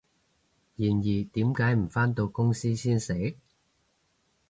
然而，點解唔返到公司先食？